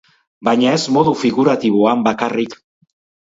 Baina ez modu figuratiboan, bakarrik!